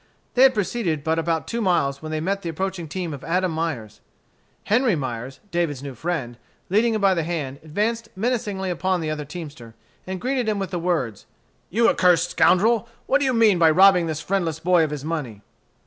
They had proceeded but about two miles when they met the approaching team of Adam Myers. Henry Myers, David's new friend, leading him by the hand, advanced menacingly upon the other teamster, and greeted him with the words: "You accursed scoundrel, what do you mean by robbing this friendless boy of his money?"